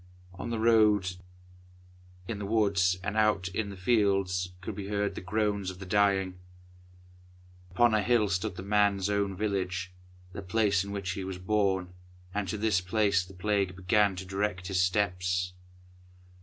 On the roads, in the woods, and out in the fields, could be heard the groans of the dying. Upon a high hill stood the man's own village, the place in which he was born, and to this place the Plague began to direct his steps.